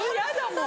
もう。